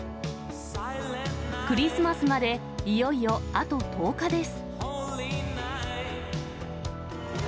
クリスマスまでいよいよあと１０日です。